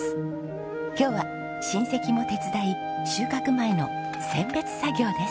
今日は親戚も手伝い収穫前の選別作業です。